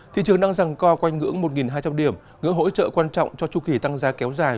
thị trường đang rằng co quanh ngưỡng một hai trăm linh điểm ngưỡng hỗ trợ quan trọng cho chu kỳ tăng giá kéo dài